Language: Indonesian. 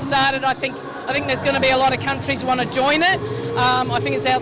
jadi kami pasti ingin memiliki peringkat pertama yang lebih baik